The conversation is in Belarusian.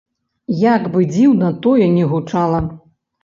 Як бы дзіўна тое не гучала.